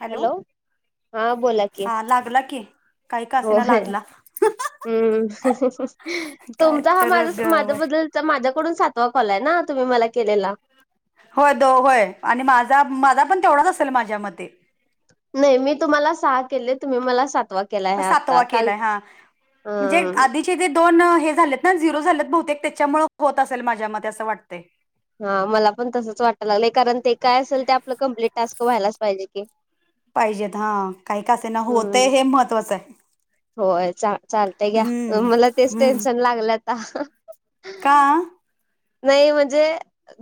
Hello, हा बोला की हा लागला की, काही का असेना होय लागला. हम्म, काय तुमचा हा तर माझ ग माझ्या बद्दल तर माझ्याकडून सातवा कॉल आहे ना? तुम्ही मला केलेला. होय द होय आणि माझा माझा पण तेवढा नसेल माझ्या मते नाही मी तुम्हाला सहा केले तुम्ही मला सातवा. म केलाय आता सातवा काल केलाय हा अ म्हणजे आध दोन हे झालेत ना झिरो झालेत बहुतेक त्याच्यामुळे होत असेल माझ्या म असं वाटत. हा मला पण तसच वाटं लागलंय कारण ते काय असेल ते आपलं कम्प्लीट टास्क व्हायलाच पाहिजे की पाहिजेत हा काही कसं ना होतय हम्म हे महत्त्वाचं आहे. होय चालतय घ्या हम्म मला तेच हम्म टेन्शन लागलं आता का? नाही म्हणजे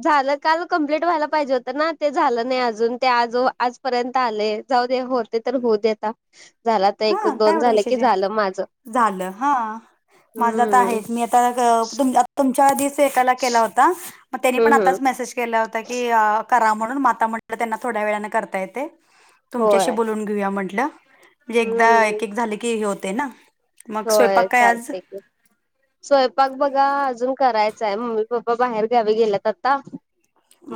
झालं काल कमप्लीट व्हायला पाहिजे होतं ना ते झालं नाही अजून ते आज आजपर्यंत आले. जाऊ दे होते तर होऊ दे आता झाला तर एक हा काय दोन एवढं झाले की विशेष आहे झालं माझ. झालं हा माझा आ तर आहे मी आता तुम तुमच्या आधीच वेकाला केला होता मग त्यानी पण हम्म हम्म आताच मेसेज के के होत की करा म्हणून माता म्हण त्यांना थोड्या वेळाने करता येते. तुमच्याशी होय बोलून घेऊया म्हटलं. म्हणजे एकदा हम्म एक एक झाले की हे होते ना मग होय स्वयंपाक काय आज चालते की स्वयंपाक बघा अजून करायचांय मम्मी पप्पा बाहेर घ्यावी गेलात आता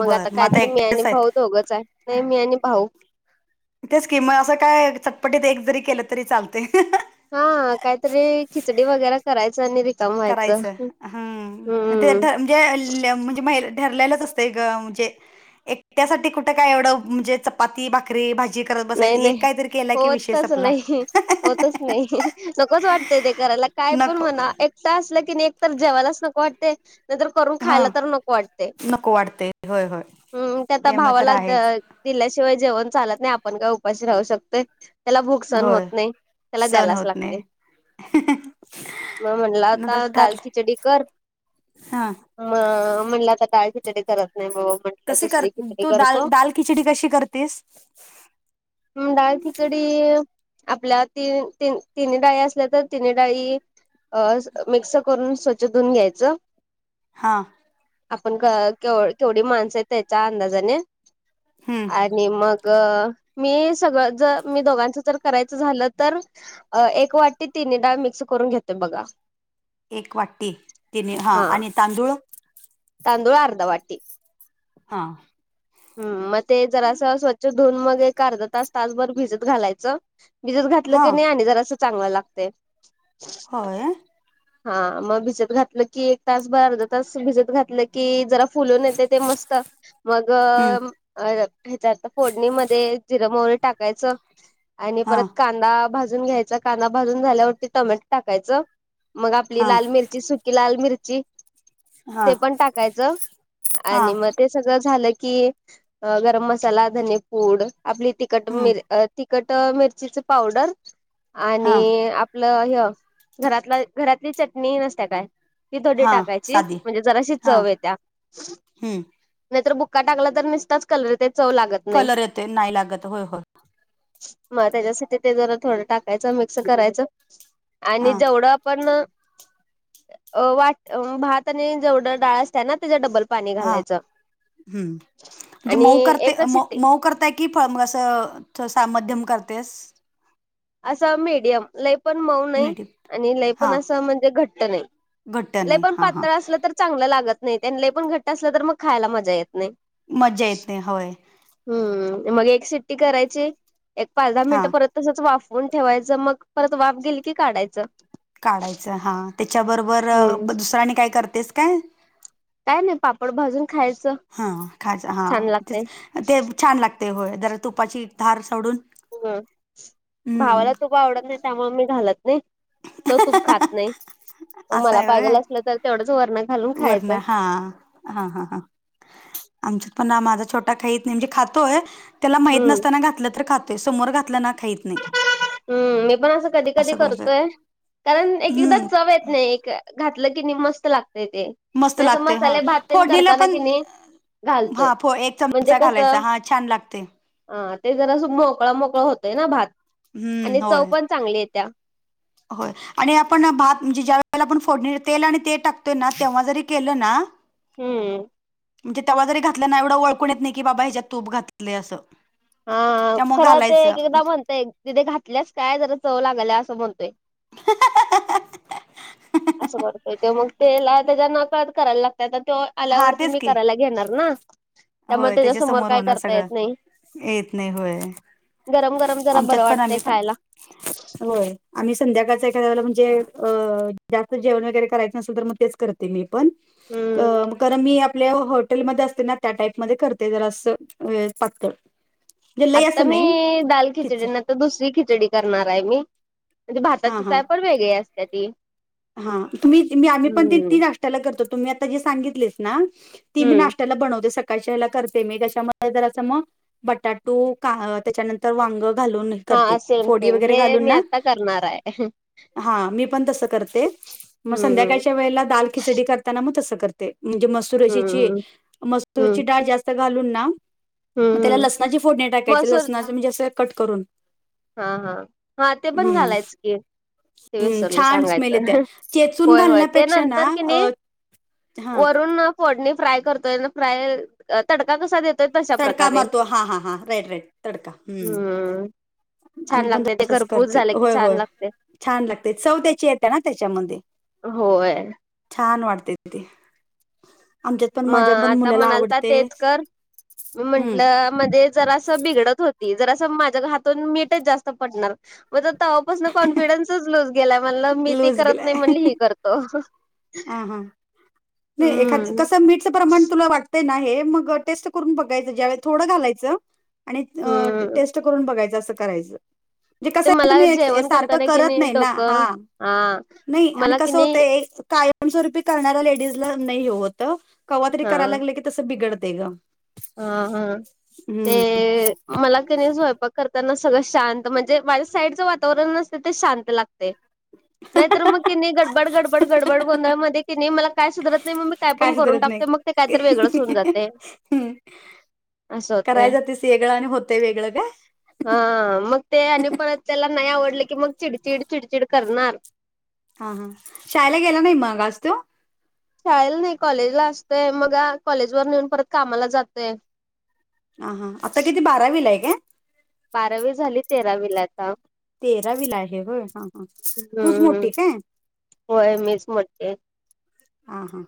मग आता बरं कायतरी मी आणि एकटेच आहेत भाऊ दोघंच आहे नाही मी आणि भाऊ ते स्कीम असं काय चटपटीत एक जरी केलं तरी चालते. हा काहीतरी खिचडी वगैरे करायच आणि रिक करायचं हम् ते म्हणजे ठरलेलंच असतणे. एकट्यासाठी कुठे काय एवढं म्हणजे चपाती भाकरी भाजी त बसायच नाही एक नाही कायतरी केला की विषे होतच आपला नाही होतच नाही नकोच वाटतय ते करायला काय पण नको म्हणा एक. असलं की एक तर जेवाणलाच नको वाटते. नाही तरर करून हा खायला तर नक वाटते नको वाटतंय होय होय हम् त्या आ ते मग तर भावाला आहेच दिल्याशिवाय जेवण चालत नाही आपण काय उपाशी राहू शकतय. त्याला भूक सण होत होय नाही त्याला सण द्यायलाच होत नाही लागते. मग म्हटला होता नंतर दाल ठरलं खिचडी कर. हा. म म्हणलं आता टाळखिटडी करत नाही बाबा म्हण. कशी कर तू दाल दाल खिचडी कशी करतेस. डाळ खिचडी आपल्या तीन तिन्ही डाळी असल्या तर तिन्ही डाळी अ मिक्स करून स्वच्छ धुऊून घ्यायचं. हा. आपण के केवढी माणसं आहे त्याच्या अंदाजाने हम्म आणि मग मी सगळं जर मी दोघांच तर करायचं झालं तर एक वाटी तिन् डाळ मिक्स करून घेते बघा. एक वाटी तिन हा आणि तांदूळ तांदूळ अर्ध वाटी हा. हम् मग ते जरा अस स्वच्छ धुून मग एक अर्ध तास तासभर भिजत घालायचं. भिजत घातलं हा की नाही आणि जर असं चांगलं लागत. होय. हा मग भिजत घातलं की एक तास बर अर्ध तास भिजत घातलं की जरा फुलून येते ते मस्त हम्म मगयचत फोडणीमध्ये जिरम व टाकायचं. आणि हा परत कांदा भाजून घ्यायचा कांदा भाजून झाल्यावरती टमॅटो टाकायचं. मग आपली हा लाल मिरची सुकी लाल मिर्ची हा ते पण टाकायचं हा आणि मग ते सगळं झालं की गरम मसाला धनी पूड आपली तिखट हम्म मिर तखट मिरचीच पावडर हा आणि आपलं ह घरातलं घरातली चटणी नसत्या काय ती थोडी हा टाकायची साधी म्हणजे जराशी हा चव येत त्या हम्म नाहीतर का टाकला तर मिस्टच कलर ते चव लागत नाही कलर येते नाही लागत होय होय. मग त्याच्यासाठी ते जरा थोडं टाकायचं मिक्स करायचं आणि हा जेवढं पण अ वाट भात आणि जेवढं डाळ असत ना त्याच्या डबल पाणी हा घालायचं हम्म म्हणजे आणि मऊ करते एकच म शिट्टी मऊ करता एक कि फळ मग असं सामध्यम करतेस. असं मीडियम लय पण मऊ नाही मिडियम आणि लय हा पण असं म्हणजे घट्ट नाही. घट्ट ल नाही पण हा हा पातळ असलं तर चांगलं लागत नाही त्यां ल पण घट्ट असलं तर मग खायला मजा येत नाही. मज्जा येते होय. हम्म मग एक सिट्टी करायची एक पाच दहा हा मिनिटं परत तसच वाफ ून ठेवायचं मग परत वाफ गेली की काढायचं. काढायचं हा त्याच्याबरोबर हम्म दुसऱ्यांनी काय करतेस काय. काय नाही पापड भाजून खायचं हा खज हा छान ते लागतय ते छान लाग ते होय जरा तुपाची धार सोडून हम हम्म भावाला तूप आवडत नाही त्यामुळे मी घालत नाही. च तूप खात नाही मला पाहिजेला असलं तर तेवढंच वरणार वर्ण हा हा हा हा आमच्यात पण माझा छोटा खाईत नाहीे म्हजे खातोय त्याला माहित हम्म. नसताना घातलं तर खातोय समोर घातलं ना खहीत नाही. हम्म मी पण असं कधी कधी करतोय कारण एक एकदा हम्म चव येत नाही एक घातलं की नाही मस्त लागतय ते मस्त मी असं लागते हा मसाले भात तेन फोडणीला करताना पण की नाही हा घालतोय फ एक चमचा घालायचा हा छान लागते. हा ते जरा मोकळा मोकळा होतोय ना भात आणि हम्म चव होय पण चांगली आहे त्या होय. आणि आपण भात म्हणजे ज्या वेळेला आपण फोडणी तेल आणि ते टाकतोय ना तेव्हा जरी केलं ना हम्म म्हणजे तेव्हा जरी घातल्या ना एवढं वळून येत नाही की बाबा ह्याच्यात तूप घातले असं हा त्यामुळे खरं ते एक घालायचं एकदा म्हणतय तिथे घातल्यास काय जरा चव लागल्या असं म्हणतोय. [inaudible] असं करतोय ते मग तेला त्याच्या नकळत करायला लागतात तर ते हा आल्यावरती तेच मी की करायला घेणार ना. त्यामुळे होय त्याच्या त्याच्यासमोर समोर काय होणार करता सगळं येत नाही येत नाही होय. गरम गरम जरा आमच्यात बरं पण आम्ही वाटतंय पण खायला होय आम्ही संध्याकाळच एखाद्या वळेला म्हणजे अ जास्त जेवण वगैरे करायचं नसल तर मग तेच करते मी पण हम्म. कार मी आपल्या हॉटेलमध्ये असते ना त्या टाईपमध्येध्ये करते जरा असं पातळ म्हणजे लय आता असं मी नाही दाल किचड खिचली तर दुसरी खिचडी करणार आहे मी म्हणजे हा भाताची हा चाय पण वेगळी असते ती. हा तुम्ही मी आम्ही पण ते हम्म ती नाष्टा ला करतो तुम्ही आता जे सांगितलेस ना ती हम्म नाशत्याला बनव दे सग काश करते मी त्याच्यामध्ये जरा अस मग बटाटू त्याच्यानंतर वांग घालून ना हा सेम फोडी सेम वगैरे हे घालून मी आता करणार आहे मी पण तसं करते. मग हम्म संध्याकाळच्या वेळेला दाल खिचडी करताना तसं करते मग तुरशीची हम्म मस्ूरची हम्म डाळ जास्त घालून ना मग त्याला हम्म लसणाची फोडणी टाकायचे मसूर लसणाचे म्हणजे असं कट करून हा हा हा ते पण हम्म घालायच की ते हम्म विसरलं छान स्मेल येत्या सांगायच चेचून होय होय त्या घालण्यापेक्षा ना नंतर कि नाही अ हा वर फोड फ्राय करतोय फ्राय तडका कसा देतो तडका मारतो हा हा हा राईट राईट तडका हम्म छान आम्ही पण लागते ते तसच घरपूस करते झालं की होय छान होय लागते छान लागते चव त्या्ची येत्या ना त्याच्यामध्ये होय छान वाटते ते आमच्यात पण मग माझ्या पण आता मुलाला म्हणाल तर आवडते तेच कर मी हम्म म्हटलं मध्ये जरासं बिघडत होती जरास माझ्या हातून मीठच जास्त पडणार मजा तवापासून कॉन्फिडन्सच लूज गेला म्हटल मी ते लूज करत नाही म्हणली ही करतो ह हां नाही एखाद हम्म कस मीठच प्रमाण तुला वाटत ते नाही मग टेस्ट करून बघायचं ज्यावेळी थोडं घालायचं आणि हम्म टेस्ट करून बघायचं असं करायचं म्हजे कसं ते आहे मला तुम्ही हे जेवण सारखं करताना की करत नाही ना डोकं हा हा नाही आणि मला की कसं होतं नाही काय कायमस्वरूपी करणारा लेडीज ला नाही हे होत केव्हातरी करायला लागले की तसं बिघडते ग हां हां ते मला कनी स्वयंपाक करताना सगळं शांत म्हणजे माझ्या साईडचं वातावरण असते ते शांत लागते [unintelligible] नाहीतर मग के नाही गडबड गडबड गडबड गोंधळमध्ये कि नाही मला काय सुधरत नाही मग मी काय पण करून टाकतो मग ते काहीतरी वेगळंच होऊन जाते हम् असं होते करायचं तस वेगळं आणि होतंय वेगळं का हा मग ते आणि पण त्याला नाही आवडलं की मग चिडचिड चिडचिड करणार हा हा शाळेला गेला नाही मग आज तो शाळेला नाही कॉलेजला असते मग कॉलेज वर नेऊन परत कामाला जाते ह हा आता किती बारावीला आहे का बारावी झाली तेरावी ला आता तेरावीला आहे हो हा हा तूच हम्म मोठी काय होय मीच मोठी आहे ह हा हा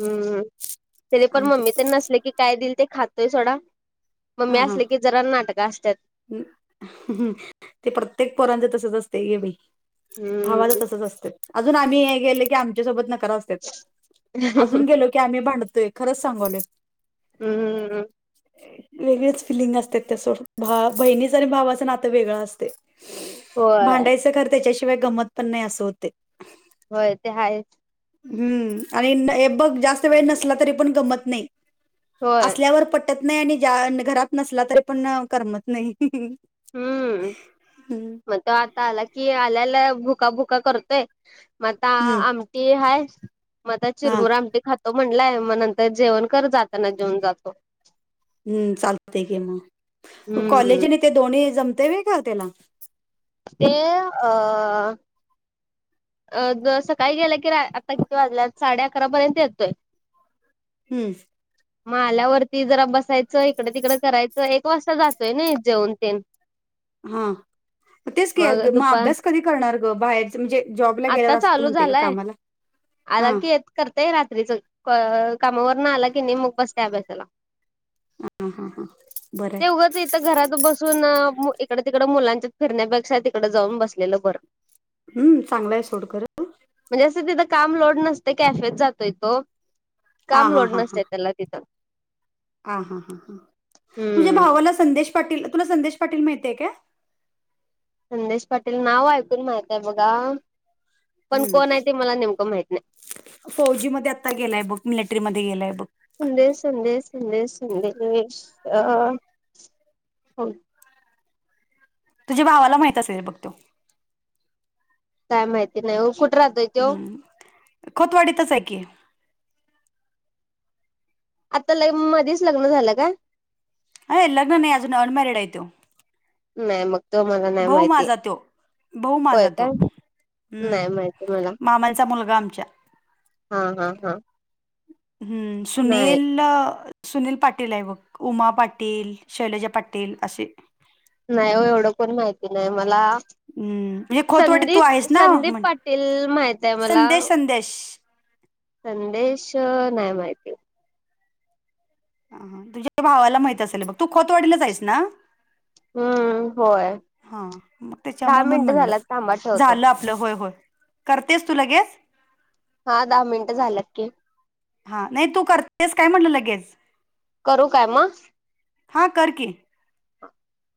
हम्म त्याले पण मम्मी आमच्यात तर नसले की काय दिल ते खातोय सोडा म मी असले की जरा नाटक असतात हम् ते प्रत्येक पोरांचे तसच असते ए बि भावाच हम्म तसच असते अजून आम्ही हे गेले की आमच्या सोबत नकार अस अजून गेलो की आम्ही भांडतोय खरच सांगवले हम् हम अ वेगळेच फिलिंग असते त्यासो भा बहिणीच आणि भावाचं नातं वेगळां असते होय भांडायचं खर त्याच्याशिवाय गमत पण नाही असं होते होय ते हाच हम्म आणि हे बघ जास्त वेळ नसला तरी पण गमत नाही होय असल्यावर पटत नाही आणि घरात नसला तरी पण करमत नाही हम्म हम्म मग आता आला की आल्याला भुका भुका करतोय मग आ हम्म ते आहेच मदात हा चिरमर आमटी खातो म्हटलंय मग नंतर जेवण कर जाताना जेऊन जातो हम्म चालते कि मग हम्म कॉलेजने ते दोन्ही जमते का त्याला ते अ अ सकाळी गेल्या की आता किती वाजल्या साडे अकरापर्यंत येतोय हम म आल्यावरती जरा बसायचं इकडे तिकड करायचं एक वाजता जातोय ना जेवन ते हा तेच क मग अभ्यास कधी करणार ग बाहेर म्हणजे जॉबला आता गेल्यावर असं चालू म्हणते का झालाय कामाला हा आला की येत करताय रात्रीच कामावर न आला की नाही मग बसते अभ्यासाला हां हां हां बरं तर घरात बसून इकडे तिकड मुलांच्या फिरण्यापेक्षा तिकड जाऊन बसलेलं बरं हम् चांगलंय आहे सोड कर म्हणजे असं तिथं काम लोड नसते कॅफेेत जातोय तो हा काम लोड नसते त्याला तिथं ह हा हां ह तुझ्या हम्म भावाला संदेश पाटील तुला संदेश पाटील माहतेय का संदेश पाटील नाव ऐकून माहितय बघा पण हम् कोण आहे ते मला नेमकं माहित नाही फौजी मध्ये आता गेलाय बघ मिलिटरी मध्ये गेलाय बघ संंदे संंदे सधे संदे अ हो तुझ्या भावाला माहित असेल बघ तो काय माहिती नाही ओ कुठे राहतोय तो हम्म खोतवाडीतच आहे की आता ल मध्येच लग्न झालं का अ लग्न नाही अजून अनमॅरिड आहे तो नाही मग तो मला नाही भाऊ माहिती माझा तो भाऊ माझा होय तो काय नाही हम्म माहिती मला मामाचा मुलगा आमच्या हा हा हा ह नाही सुनील सुनील पाटील आहे बघ उमा पाटील शैलेजा पाटील असे नाही हो एवढं कोण माहिती नाही मला हम्म म्हणजे खोतवाडी तू आहेस संदीप ना संदीप म्हण पाटील माहित आहे मला संदेश संदेश संदेश नाहीय माहिती अ तुझ्या भावाला माहित असेल बघ तू खोतवाडीला हाईस ना हम्म होय हा मग दहा त्याच्यामुळे म मिनिटं म्हटलं झालात थांबा ठेवतो झालं आपलं होय होय करतेस तू लगेच हा दहा मिनट झालत की हा नाही तू करतेस काय म्हणलं लगेच करू काय मग हां कर के हा [inaudible]